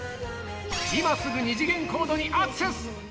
今すぐ二次元コードにアクセス。